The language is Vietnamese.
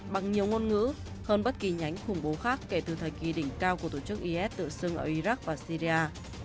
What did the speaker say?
bằng nhiều ngôn ngữ hơn bất kỳ nhánh khủng bố khác kể từ thời kỳ đỉnh cao của tổ chức is tự xưng ở iraq và syria